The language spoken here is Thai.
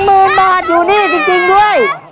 หมื่นบาทอยู่นี่จริงด้วย